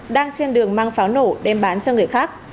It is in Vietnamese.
đang trên đường mang pháo nổ đem bán cho người khác